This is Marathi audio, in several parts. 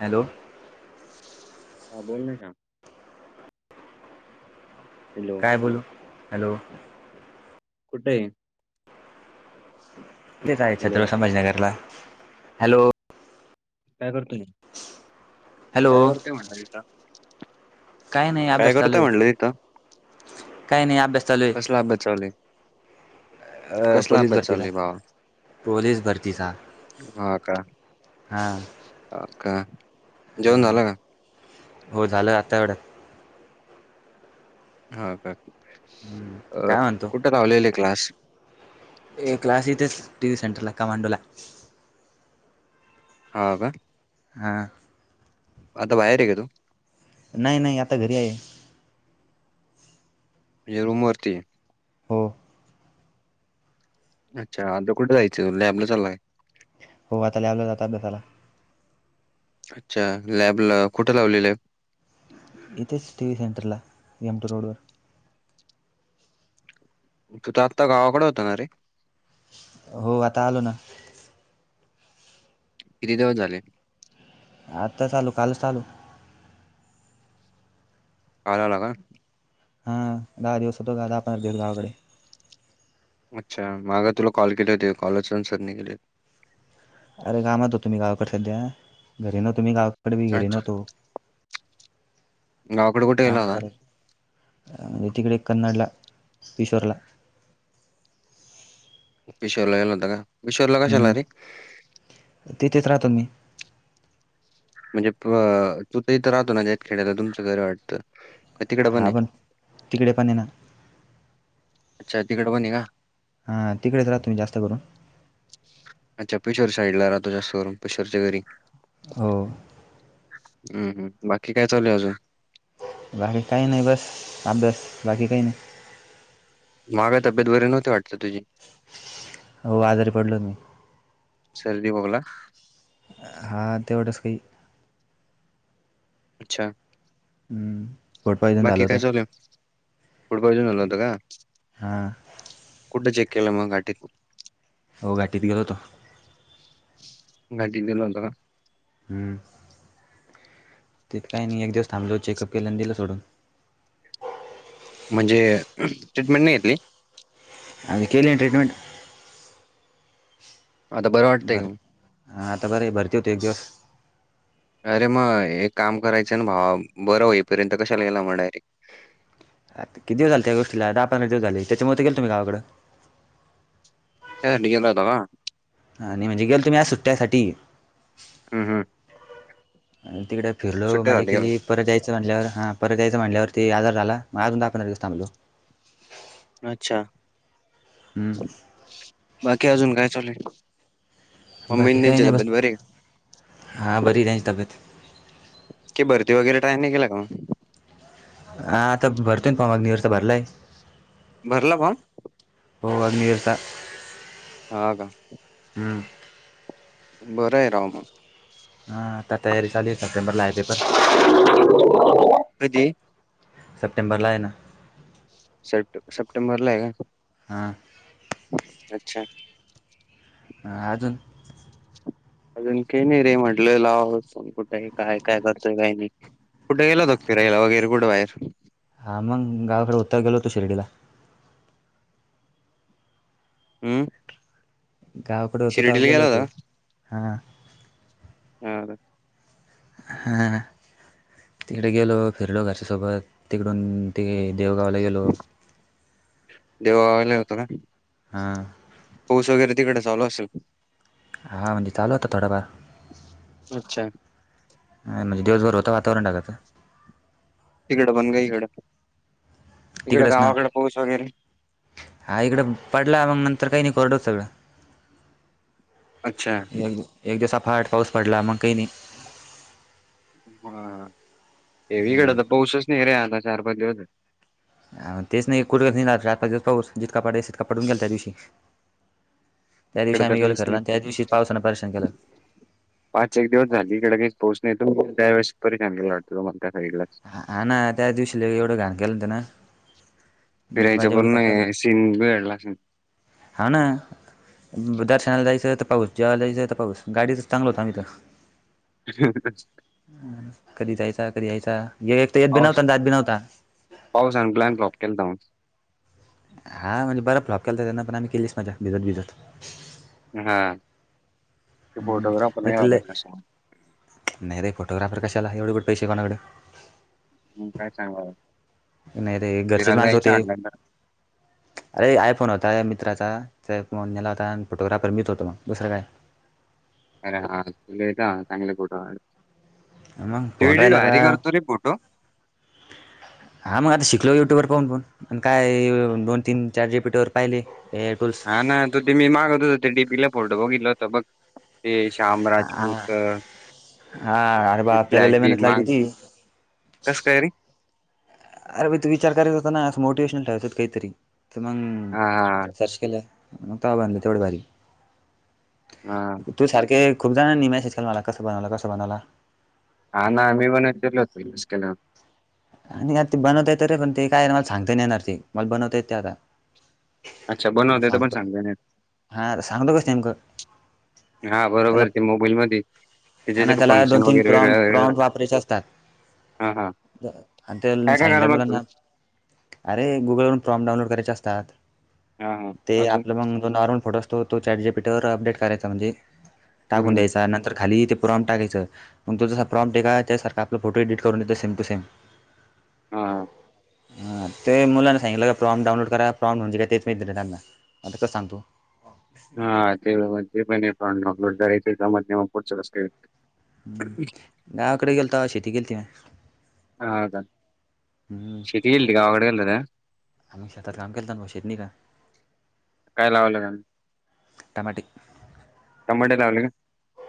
हॅलो. हा बोल का. हॅलो. का बोलो हॅलो. कुठे हाय. तेच आहे हॅलो छत्र संभाजीनगरला हॅलो. काय करतो रे हॅलो काय करतोय म्हणली का. काय करतय म्हटलं तिथं. काही नाही अभ्यास चालू आहे. कसला अभ्यास चालू आहे काय नाय कसला पोलीस अभ्यास बरती चालू ना आहे भावा पोलीस भरतीच. हा. हो का. ह जेवण झालं का हो झालं आता एवढ्यात. हा का? अ काय म्हणतो कुठ लावलेले क्लास? ये क्लास इथेच टिव्हीसेंटरला कमांडो ला हा का हा. आता बाहेर हे का तु? नाही नाही, आता घरी आहे. ते रूमवरती हो. अच्छा आता कुे जायंचे, आपलं चाललाय हो, आता लॅब ला जात अभ्यासाला. अच्छा! लॅब ला कुठं लावलेलं आहे? इथेच टीव्ही सेंटरला, एम टी रोडवर तु [unintelligible] गावाकडे होता ना रे? हो, आता आलो ना. किती दिवस झाले? आताच आलो, कालच आलो. काल आला का? हा, दहा दिवस होतो दादा आपण गावाकडे. अच्छा माग तुला कॉल केले होते, कॉलचून सरनी गेले अरे कामात होतो मी गावाकडे सध्या, घरी नव्हतो मी गावाकडे बी घरी अच्छा नव्हतो. गावाकडे कुठे गेला काम होता करल मी तिकडे कन्नडला, किशोरला किशोरला गेला होता का, किशोर ला कशाला हम्म रे? तिथेच राहतो मी म्हणजे तु तर इथं राहतो ना, [unintelligible] खेळाला तुमचं घरं ये वाटतं. का तिकडं हा आहे? पण, तिकडे पण ये ना. अच्छा! तिकड पण हे का? हा, तिकडेच राहतो मी जास्त करून अच्छा पेशवर साईडला राहतो, जास्तकरून पेशवरच्या घरी. हो. हम्! हम्म, बाकी काय चालू ये अजून? बाकी काही नाही, बस अभ्यास, बाकी काही नाही. माग तब्येत बरी नव्हती वाटत तुझी? हो, आजारी पडलो मी सर्दी खोकला हा, तेवढच काही अच्छा! हम्म! फूड पॉयझन बाकी झालं काय होतं चालूये? फूड पॉइझन झालं होत का? हां कुठ चेक केल म, घाटीत? हो, घाटीत गेलो होतो. घाटीत गेला होता का? हम्म! तिथं काही नाही, एक दिवस थांबलो चेकअप केल, आणि दिलं सोडून. म्हणजे, ट्रीटमेंट नाही घेतली? [unintelligible] केले ट्रीटमेंट. आता बरं वाटतंय का? हा, आता बर आहे, भरती होती एक दिवस अरे मग, एक काम करायचं ना भावा, बरं होईपर्यंत कशाला गेला म? डायरेक्ट आता कती दिवस झाले त्या गोष्टीला, दहा पंधरा दिवस झाली, त्याच्यामध्ये गेलतो मी गावाकंड. [unintelligible] गेला होता का? आणि म्हणजे गेलतो मी आ सुट्ट्यासाठी हम हम आणि तिकडे फिरलो माझजे सुट्ट्यासाठी गेला. केली परत यायचं म्हटल्यावर हां परत यायचं म्हटल्यावरी आजार झाला मगज दखव दिसथांबलू अच्छा हम् बाकी अजून काय चालेल बाकी काही नाही बस का? हां बरी त्यांची तब्येत की भरती वगैरे टाय नाही केला का मग आता भरचूण फमागदऊोेत भरला भरला पम होवाग नरता हा का बरंय राव मग. ह तत तयारीचाली आहे सप्टंबर लाईय पेपर कधी? सप्टेंबरला आहे ना सप्टे सप्टेंबर ला आहे का हां अच्छा अजून अजून काही नाही रे म्हटलं लावण कुठेही काय काय करतोय काही नाही कुठे गेलोग फिरालागैरे कुठ बाहेर हा मग गावाकडे उतर गेलोतो शिर्डीला हूं! गावाकड होतो, तवा गेलो होतो होता हा. [inaudible] हा. तिकड गेलो. फिरलो घरच्यासोबत, तिकडून ते देवगावला गेलो. देववाला होतो ना. हां! पाऊस वगैरे तिकडे चालु असेल. हा म्हणजे चालू होता थोडाफार. अच्छा हा म्हणजे दिवभर होत वातावरण ढगाच. तिकडं पण का इकड, तिकड तिकडंच ना गावाकड पाऊस वगैर. हा इकडं पडला. मग नंतर काही नाही. करड होत सगळं. अच्छा. एक एक दिवस आफाट पाऊस पडला मंग काही नाही. हा ये इकडत पाऊसच नाही रे आता चार, पाच, दिवस झा तेच न. कुठे नाहीत जात. चार पाच दिवस पाऊस. जितका पाडायचा, तितका पडून गेला त्या दिवशी. त्या इकडं दिवशी तर आमी गेलो काहीच नाही. फिरायला, आणि त्याचं दिवशी पावसांन परेशान केलं. पाच एक दिवस झाली इकडे काहीचं पाऊस नाही [unintelligible] हा ना त्या दिवशी लई एवढं घाण केलं न त्यानं. नीट फिरायच मजा बी नाही पूर्ण करता आली सीन बिगडला असेन. हा ना! दर्शनाला जायचंय त पाऊस, जेवायला जायचंय त पाऊस, गाडीतच चांगल होतो आमी त. ह [unintelligible] कधी जायचा, कधी यायचा, एक त येत बी पाऊस नवता जात बी नव्हता. पावसान प्लॅन फ्लॉप केलता मग. हा म्हणजे बरा फ्लॉप केलाता त्यांन. पण आम्ही केलीच मजा. भिजत भिजत. हा. ते हम्म फोटोग्राफर नाही तर आला लय कसा. नाही रे फोटोग्राफर कशाला, एवढे कुठं पैसे हे कोणाकड. मगज्ञकाय चांगलं. नाही रे घरचेच फिरायला माणसं यायचं होते अंडाना. अरे आयफोन होता मित्राचा त्यफोन नेला होता आण फोटोग्राफर मीचं होतो मग दुसरं काय. अरे हा [unintelligible] का चांगले फोटो काढ मग तू फोन एडिट राहिला का भारी करतो रे फोटो. [inaudible] हां मग आता शिकलो युटूबवर पाहूनपाहून. अन काय दोन, तीन, चाट जी पी टी, वर पाहिले हे टूल हा ना. तो ते मी मागत होत. ते डीपीला फोटो बघितला होत बघ. ते श्याम हा राजपूत हा अरे ते बाप त्याला लय फ्लॅग मेहनत लागली बिगमाग होती कस कायरी. अरे म तू विचार करायच होता ना. असं मोटिव्शनल ठेवायच होत काहीतरी. तर मग हा हा चर्च केलं मग त बधलं तेवढ भारी हा तू सारखे खूप जण निमेसचल मला कस बनवला कस बनवला हा ना मी बणत गलोत [unintelligible] आणि आत ते बनवता येत रे, रण ते काय मला सांगता नाही येणार ते, मला बनवता येते आता. अच्छा. मग बनवता येत पण सांगतो सांगता नाही येत. हा सांगतो कस नेमक? हा बरोबरे. ते मोबाईलमध्ये त्याच्या जे आणि का त्याला दोन फंक्शन तीन वगैरे प्रॉम वेगळ वेगळ. प्रॉम्प्ट वापरायचे असतात हा हा. आणि त्यन काय काय करावं सांगितलं लागतं मुलांना अरे गुगलवरून प्रॉम, डाउनलोड करायचे असतात. हा हा ते अजून आपलं मंग जो नॉर्मल फोटो अस तो तो चॅटजीपीटीवर अपडेट करायचा. म्हणजे टाकून हम्म द्यायचा. नंतर खाली प्रॉम टाकायच. मग तो जसा प्रॉम टेका. त्यासारख आपला फोटो एडीट करून देतो. Same to same. हा, ह. ह ते मुलांना सांगलं का प्रॉम डाउनोड करा प्रॉमणऊन का तेच मी दे त्यांना आता कं सांगतो हा ते ते पण नकलो जर जम पुढ हम्म गावाकडे गेल तर शेती गेलती म ह ह का हम्म शेती गेलती गावाकडे गेलता का आम्ही शेतात काम केलं ना शेत नाही का काय लावाव लागा टमाटिक टमट्या लावले का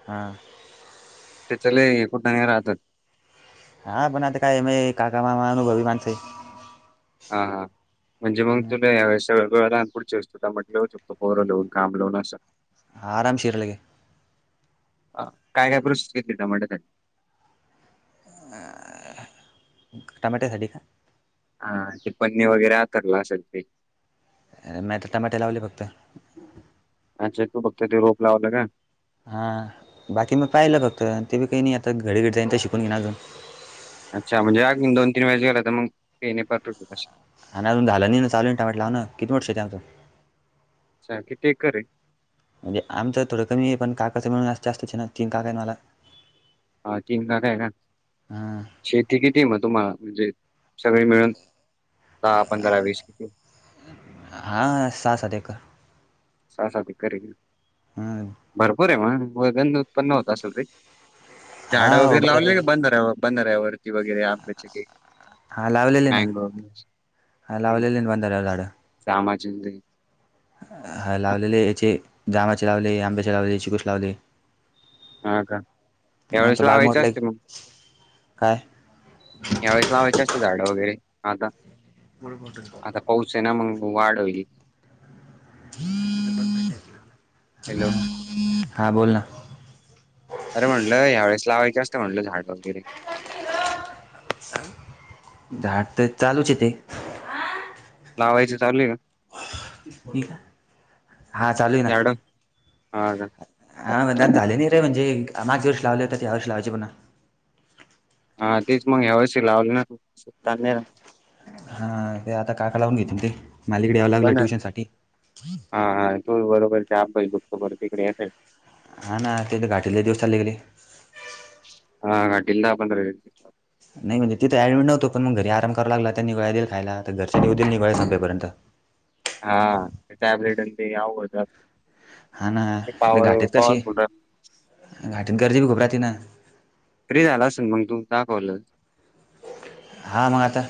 हा ते च कुठ नाही राहतात हा बनाते कायम काका मामा न अभिमानसे हा हा म्हणजे मग आहे तुला यावेेळेस सगळं लहानपुढची असत तर म्हटलं होकतों लवून काम लावून असं आरामशीरले काय काय प्रोश् घेतली त्या म्हनी टमटे साडी खा हा तेि पणनी वगैरे आ करला असेल ते नाहीी आ टमाटे लावले फक्त अच्छा तू बघते ते रोप लावला का हा बाकी मग पाहिलं फक्त ते बी काही नाही आता घडी घडी जाईन तर शिकून घेणार अजून अच्छा म्हणजे अगदी दन तीन वेळेस गेला तर मग पेणे परतट क हा अजून झालं नाही ना चाल ना टाट लाव ना किती मोट श आचं अच्छा कि ते करे म्हणजे आमचं थोडं कमी आहे पण काकाचंळून अस जास्तच ना तीन काका आहेत मला हा तिनदा आहे ना हां शेती किती मग तुम्हाला म्हणजे सगळे मिळून दहा पंधरा वीस किती हां सात सात एककर स ब कर हम् भरपूर आहे म वगंध उत्पन्न होत असेल ररी झाडं हा हो वगैरे लावली क बऱ्यापैकी बंद बंदर आहे वरती वगैरे आंब्याच्या हा लावलेले ना हा लावलेले ना बंधाऱ्यावर झाड सामाज दे हा लावलेले याचे जामाचे लावले आंब्याचे लावले चिकूस लावले हा का त्यावेळेस आमचा बाग लावायच मोठला आहे. असते मग काय यावेेळेस लावायची असते झाडं वगैरे आता मो मोठ शिवसेना मग वाढ होली हॅलो हा बोल ना अरे म्हटलं ह्या वेळेस लावायचे असत म्हटलं झाड वगैरे झाड तर चालूच य ते लावायचं चालू का हा चालू ना झाडं? हा हा म्हण झाले नाही रे म्हणजे माग जेवष लावले हो ते आ वर्ष लावायचे पणा हा तेीच मग ह्यावशी लावली हा ते आता काका लावून घेतील ते मालिकडे यावं लागलं पण ट्युशन साठी हा हा तोू बरोबर आहे आप दुपत बर तिकडे येतच हा ना ते घाटीले दिवस चाले गेले हा काटल बण नाही म्हणज तथं डिटव्हत प मग घरी आरा लाग त्या निळळा देई खाय घरच्या निऊ देल निवळ्या संपर्यंत हा टॅबलेट ते आव हा ना घाटीत कशी पॉवरफुल घाटीत गर्दी बी खबर ति ना फ्री झाला असेल मग तू दाकवलं हां मग आता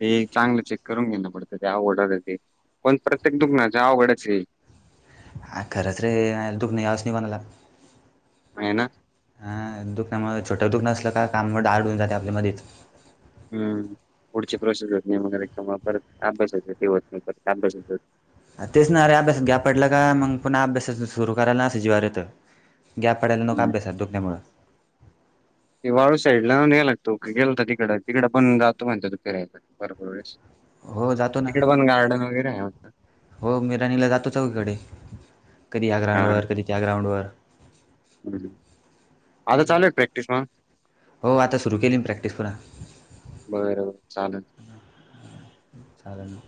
ते चांगलं चेक करून घेणं पडतं ते ओडर ते कोण प्रत्येक दुख् जवघडाच खरंच रे दुःख नाही याच नाही बणाला आहे ना दुखण्यामुळं छोटं दुःख नसलं काममुळे डाढ होऊन जाते आपल्यामध्येध्येच हम् पुढची प्रोसेस होत नाहीगैरे कंवा परत आंब्यासच ते होत नाही परत आंब्या हो तेच ना अरे अभ्यासात घ्या पडलं का मग पुन्हा अभ्यास सुरु करायला अस जिवारत गॅप पाडेयल्या लक अभ्यासात दुखण्यामुळं ते वाळू साईड ला याय लागतो गे हो त तिकडं तिकडं बण जातो म्हणत तो फिरायला बरोबर वेळेस हो जातो ना तिकड पण गार्डन वगैरे आहे हो मीराणीला जातो सगळीकडे कधी या ग्राउंडवर कधी त्या ग्राउंडवर ह ह हो आता सुरू केली म प्रॅक्टिस पुन्हा बरर चाले साले ना